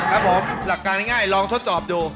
ครับผมหลักการง่ายลองทดสอบดู